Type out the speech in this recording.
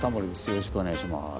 よろしくお願いします。